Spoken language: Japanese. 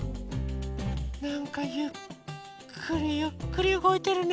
なんかゆっくりゆっくりうごいてるね。